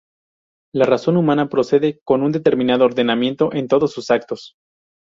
La razón humana procede con un determinado ordenamiento en todos sus actos.